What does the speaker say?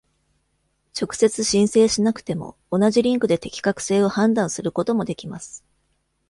直接申請しなくても、同じリンクで適格性を判断することもできます。